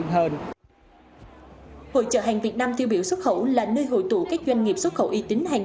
hội chợ hàng việt nam tiêu biểu xuất khẩu là nơi hội tụ các doanh nghiệp xuất khẩu y tín hàng